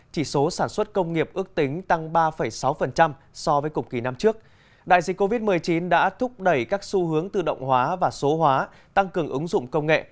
đại dịch covid một mươi chín đã thúc đẩy các xu hướng tự động hóa và số hóa tăng cường ứng dụng công nghệ